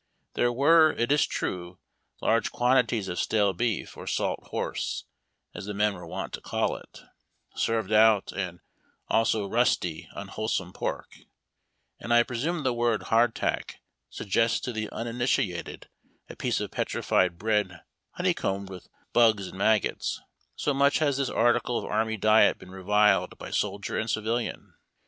There were, it is true, large quantities of stale beef or salt horse — as the men were wont to call it — served out, and also rusty, un wholesome pork ; and I presume the word " hardtack " sug gests to the uninitiated a piece of 23etrified bread honey combed with bugs and maggots, so much has this article of army diet been reviled by soldier and civilian.